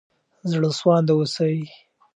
زړه سوانده اوسئ.